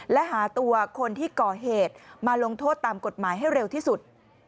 และหาตัวคนที่ก่อเหตุมาลงโทษตามกฎหมายให้เร็วที่สุด